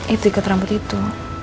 itu ikat rambut itu